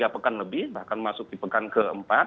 tiga pekan lebih bahkan masuk di pekan ke empat